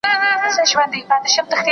¬ پر زردکه نه يم، پر خرپ ئې يم.